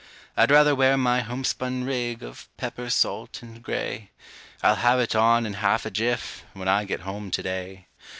I'd rather wear my homespun rig of pepper salt and gray I'll have it on in half a jiff, when I get home to day.